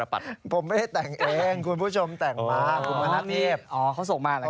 ผมไม่ได้แต่งเองคุณผู้ชมแต่งมา